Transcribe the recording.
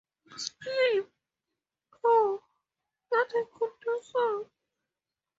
Sleep. Oh, that I could do so.